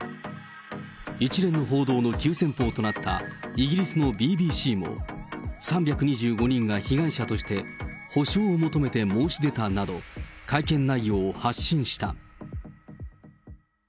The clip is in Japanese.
一連の報道の急先ぽうとなった、イギリスのＢＢＣも、３２５人が被害者として補償を求めて申し出たなど、会見内容を発信した。